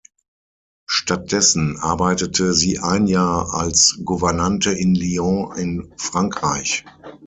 Stattdessen arbeitete sie ein Jahr als Gouvernante in Lyon in Frankreich.